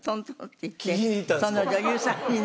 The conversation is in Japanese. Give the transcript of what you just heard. その女優さんにね